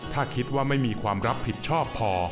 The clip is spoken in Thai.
ถ้าคิดว่าไม่มีความรับผิดชอบพอ